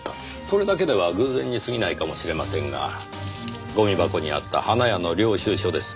それだけでは偶然に過ぎないかもしれませんがゴミ箱にあった花屋の領収書です。